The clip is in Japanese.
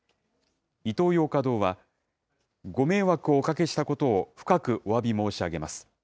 イトーヨーカ堂は、ご迷惑をおかけしたことを深くおわび申し上げます。